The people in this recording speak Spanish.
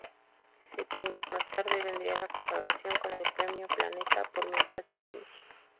Siete años más tarde vendría la consagración con el premio Planeta por "Mientras vivimos".